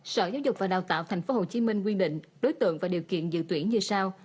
sở giáo dục và đào tạo tp hcm quy định đối tượng và điều kiện dự tuyển như sau